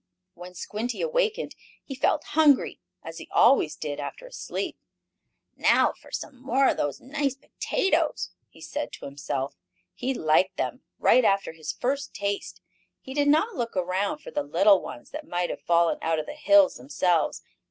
When Squinty awakened he felt hungry, as he always did after a sleep. "Now for some more of those nice potatoes!" he said to himself. He liked them, right after his first taste. He did not look around for the little ones that might have fallen out of the hills themselves.